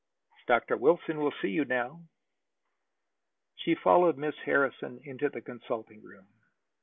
"Dr. Wilson will see you now." She followed Miss Harrison into the consulting room.